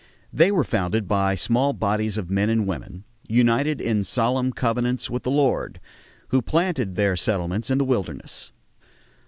They were founded by small bodies of men and women, "united in solemn covenants with the Lord," who planted their settlements in the wilderness.